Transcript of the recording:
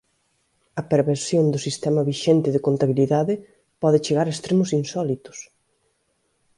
A perversión do sistema vixente de contabilidade pode chegar a extremos insólitos.